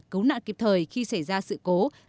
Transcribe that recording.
cấu nạn kịp thời khi xảy ra sự cố